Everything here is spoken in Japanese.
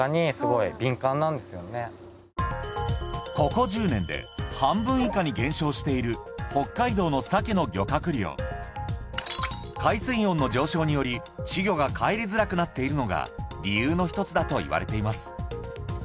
ここ１０年で半分以下に減少している北海道のサケの漁獲量海水温の上昇により稚魚がかえりづらくなっているのが理由の一つだといわれています